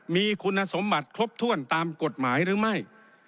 มีคุณสมบัติครบถ้วนตามกฎหมายหรือไม่